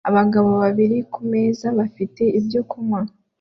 Abagabo babiri kumeza bafite ibyo kunywa